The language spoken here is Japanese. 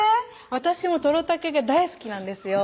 私もトロたくが大好きなんですよ